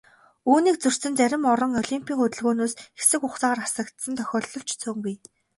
Үүнийг зөрчсөн зарим орон олимпын хөдөлгөөнөөс хэсэг хугацаагаар хасагдсан тохиолдол ч цөөнгүй.